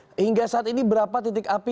nah hingga saat ini berapa titik api